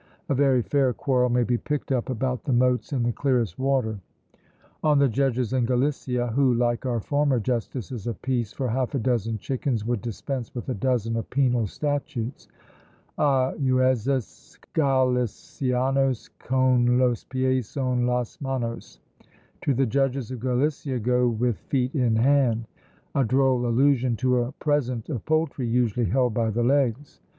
a very fair quarrel may be picked up about the motes in the clearest water! On the judges in Gallicia, who, like our former justices of peace, "for half a dozen chickens would dispense with a dozen of penal statutes," A juezes Gallicianos, con los pies en las manos: "To the judges of Gallicia go with feet in hand;" a droll allusion to a present of poultry, usually held by the legs.